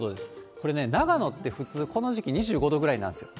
これね、長野って普通、この時期２５度ぐらいなんですよ。